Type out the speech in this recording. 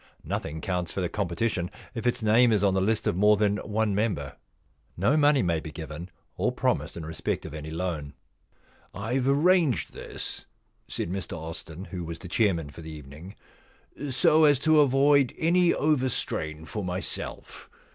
Nothing counts for the competition if its name is on the list of more than one member. No money may be given or promised in respect of any loan.* * IVe arranged this/ said Mr Austin, who was the chairman for the evening, * so as to avoid any overstrain for myself.